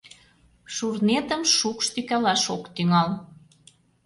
Шурнетым шукш тӱкалаш ок тӱҥал.